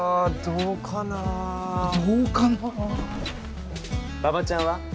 どうかなって馬場ちゃんは？